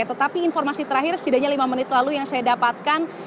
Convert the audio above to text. tetapi informasi terakhir setidaknya lima menit lalu yang saya dapatkan